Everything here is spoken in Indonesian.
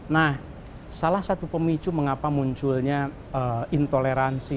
nah salah satu pemicu mengapa munculnya intoleransi